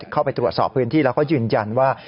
เข้าไปตรวจสอบพื้นที่แล้วเขายืนยันว่า